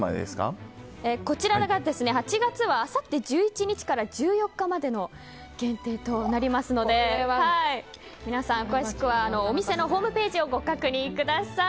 こちらは８月はあさって１１日から１４日までの限定となりますので皆さん、詳しくはお店のホームページをご確認ください。